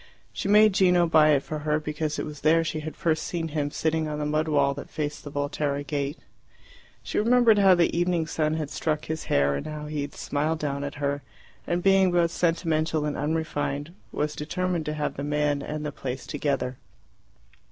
She made Gino buy it for her, because it was there she had first seen him sitting on the mud wall that faced the Volterra gate. She remembered how the evening sun had struck his hair, and how he had smiled down at her, and being both sentimental and unrefined, was determined to have the man and the place together.